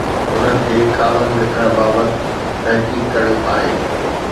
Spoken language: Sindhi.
انهن کي ڪالم لکڻ بابت تحقيق ڪرڻي آهي.